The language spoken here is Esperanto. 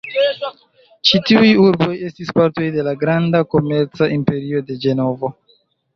Ĉi tiuj urboj estis partoj da la granda komerca imperio de Ĝenovo.